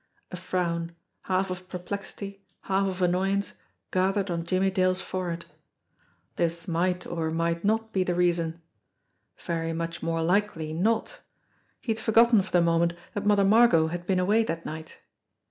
A frown, half of perplexity, half of annoyance, gathered on Jimmie Dale's forehead. This might or might not be the reason. Very much more likely not ! He had forgotten for the moment that Mother Margot had been away that night.